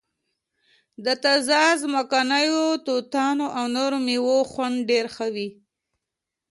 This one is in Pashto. د تازه ځمکنیو توتانو او نورو میوو خوند ډیر ښه وي